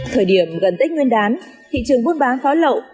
thời điểm gần tích nguyên đán thị trường mua bán pháo lậu